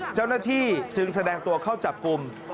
เจ้าหน้าที่จึงแสดงตัวเข้าจับกลุ่ม